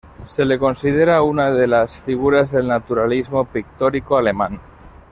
Se le considera una de las figuras del naturalismo pictórico alemán.